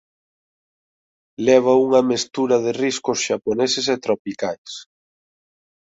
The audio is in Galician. Leva unha mestura de riscos xaponeses e tropicais.